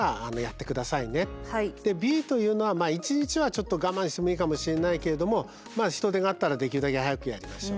「Ｂ」というのは１日はちょっと我慢してもいいかもしれないけれどもまあ人手があったらできるだけ早くやりましょう。